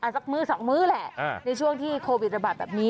สักมื้อ๒มื้อแหละในช่วงที่โควิดระบาดแบบนี้